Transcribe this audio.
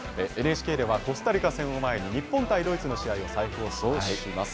ＮＨＫではコスタリカ戦を前に日本対ドイツ戦の試合を再放送します。